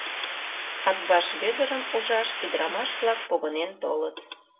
Атбаш Вӧдырым ужаш ӱдырамаш-влак погынен толыт.